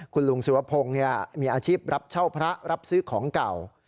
คุณลุงสุรพงศ์มีอาชีพรับเช่าพระรับซื้อของเก่า